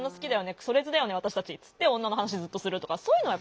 くそレズだよね私たち」つって女の話ずっとするとかそういうの。